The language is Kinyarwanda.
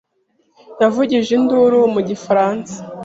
yavugije induru ikintu mu gifaransa.